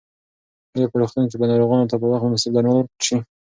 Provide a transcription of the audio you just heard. ایا په روغتون کې به ناروغانو ته په وخت مناسب درمل ورکړل شي؟